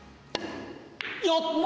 やった！